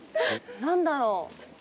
何だろう。